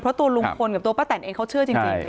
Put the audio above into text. เพราะตัวลุงพลกับตัวป้าแตนเองเขาเชื่อจริง